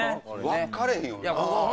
分かれへんよな。